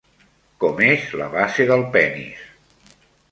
Com és la base del penis?